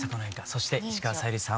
そして石川さゆりさん